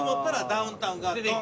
ダウンタウン。